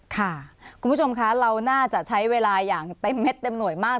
ค่ะคุณผู้ชมคะเราน่าจะใช้เวลาอย่างเต็มเม็ดเต็มหน่วยมาก